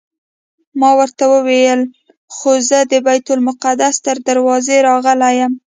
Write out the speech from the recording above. ما ورته وویل خو زه د بیت المقدس تر دروازې راغلی یم.